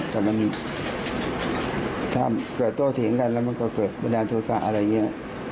แต่มันถ้าเกิดโต้เถียงกันแล้วมันก็เกิดบันดาลโทษะอะไรอย่างนี้